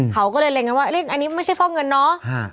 เขาก็เลยเล็งกันว่าอันนี้ไม่ใช่ฟอกเงินเนาะ